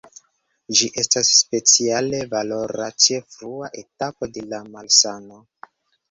Ĝi estas speciale valora ĉe frua etapo de la malsano.